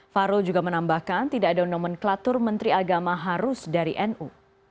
fahrul juga menambahkan tidak ada nomenklatur menteri agama harus dari nu